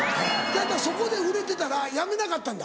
そこで売れてたら辞めなかったんだ。